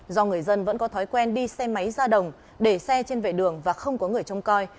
do người dân vẫn có thói quen đi xe máy ra đồng để xe trên vệ đường và không có người trông coi